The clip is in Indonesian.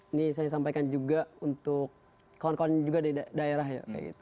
ini saya sampaikan juga untuk kawan kawan juga di daerah ya